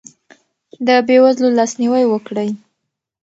د بې وزلو لاسنیوی وکړئ.